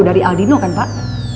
dari adino kan pak